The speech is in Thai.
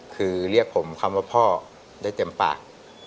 คือเรียกผมคำว่าพ่อได้เต็มปาก